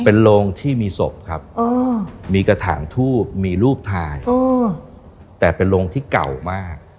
เป็นโรงที่มีศพครับมีกระถางทูบมีรูปถ่ายแต่เป็นโรงที่เก่ามาก